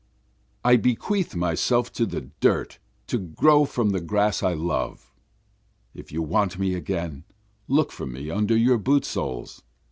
I bequeath myself to the dirt to grow from the grass I love, If you want me again look for me under your boot soles.